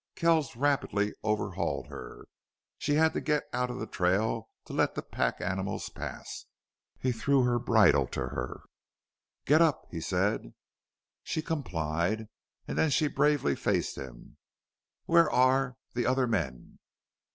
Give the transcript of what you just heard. Kells rapidly overhauled her, and she had to get out of the trail to let the pack animals pass. He threw her bridle to her. "Get up," he said. She complied. And then she bravely faced him. "Where are the other men?"